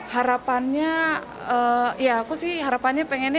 harapannya ya aku sih harapannya pengennya